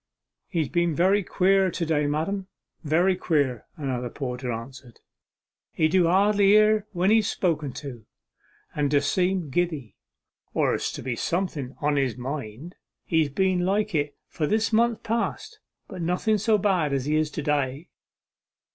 'He's been very queer to day, madam, very queer,' another porter answered. 'He do hardly hear when he's spoken to, and d' seem giddy, or as if something was on his mind. He's been like it for this month past, but nothing so bad as he is to day.